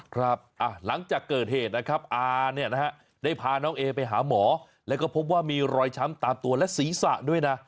ครับหลังจากเกิดเหตุนะครับอาเนี่ยนะฮะได้พาน้องเอไปหาหมอแล้วก็พบว่ามีรอยช้ำตามตัวและศีรษะด้วยนะ